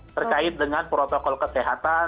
terkait dengan protokol kesehatan